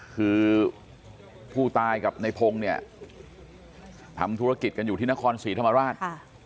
คือผู้ตายกับในพงศ์เนี่ยทำธุรกิจกันอยู่ที่นครศรีธรรมราช